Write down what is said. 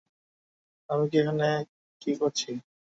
আমি এখানে কি করছি?